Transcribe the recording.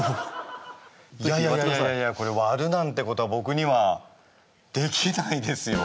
いやいやいやこれ割るなんてことは僕にはできないですよ。